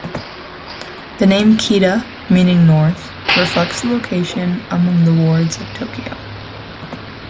The name "Kita," meaning "north," reflects the location among the wards of Tokyo.